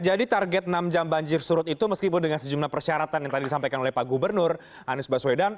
jadi target enam jam banjir surut itu meskipun dengan sejumlah persyaratan yang tadi disampaikan oleh pak gubernur anies baswedan